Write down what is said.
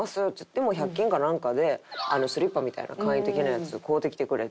でもう百均かなんかでスリッパみたいな快適なやつ買うてきてくれて。